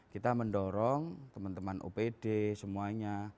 kita mendorong teman teman opd semuanya